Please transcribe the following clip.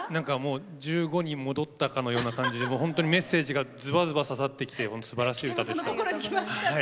１５に戻ったかのような感じでメッセージがずばずば刺さってきて本当にすばらしい歌でした。